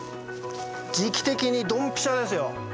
時期的にドンピシャですよ。